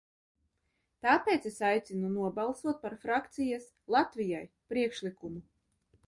"Tāpēc es aicinu nobalsot par frakcijas "Latvijai" priekšlikumu."